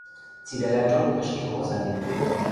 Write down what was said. Цилӓлӓнжок ӹшке хоза лит...